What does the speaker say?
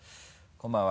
こんばんは。